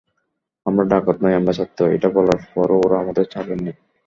আমরা ডাকাত নই, আমরা ছাত্র, এটা বলার পরও ওঁরা আমাদের ছাড়েননি।